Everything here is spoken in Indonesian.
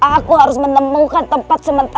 aku harus menemukan tempat sementara